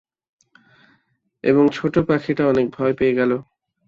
এবং ছোট পাখিটা অনেক ভয় পেয়ে গেল।